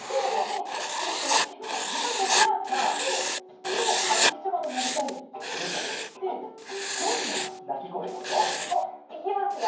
そのあづきちゃまのなりたいいぬちゃまってどんななきごえケロ？おっいきますよ。